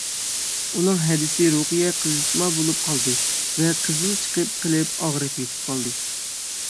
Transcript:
ئۇنىڭ ھەدىسى رۇقىيە قىزىتما بولۇپ قالدى ۋە قىزىل چىقىپ قېلىپ ئاغرىپ يېتىپ قالدى.